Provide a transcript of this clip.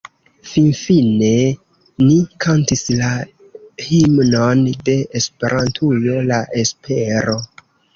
Finfine ni kantis la himnon de Esperantujo La espero.